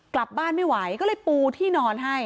กลับบ้านไม่ไหวก็เลยปูที่นอนให้